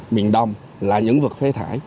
miền đông là những vật phế thải